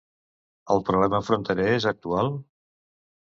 El problema fronterer és actual?